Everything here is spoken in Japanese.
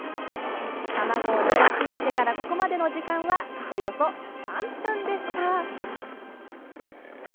卵を流し入れてからここまでの時間はおよそ３分でした。